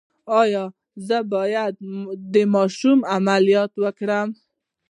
ایا زه باید د ماشوم عملیات وکړم؟